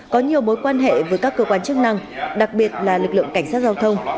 có nhiều mối quan hệ với các cơ quan chức năng đặc biệt là lực lượng cảnh sát giao thông